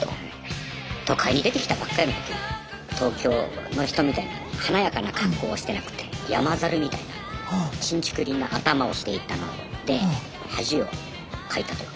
都会に出てきたばっかりの時東京の人みたいに華やかな格好をしてなくて山猿みたいなちんちくりんな頭をしていたので恥をかいたというか。